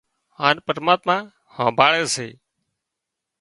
هانَ پرماتما هانڀۯي سي